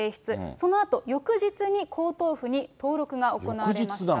そのあと、翌日に皇統譜に登録が行われました。